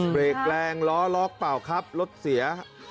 เบรกแรงล้อล็อกเปล่าครับรถเสีย